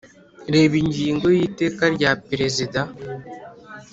reba ingingo yiteka rya perezida